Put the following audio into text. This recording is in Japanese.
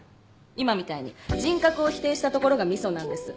今みたいに人格を否定したところが味噌なんです。